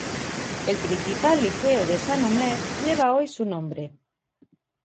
El principal Liceo de Saint-Omer lleva hoy su nombre.